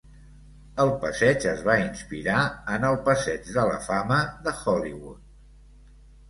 El passeig es va inspirar en el Passeig de la Fama de Hollywood.